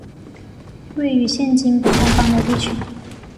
位于现今北方邦的地区。